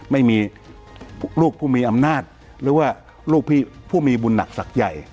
ไม่มีลูกผู้มีอำนาจหรือว่าลูกผู้มีบุญหนักศักดิ์ใหญ่